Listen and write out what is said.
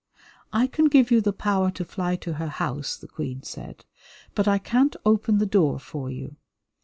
"I can give you the power to fly to her house," the Queen said, "but I can't open the door for you.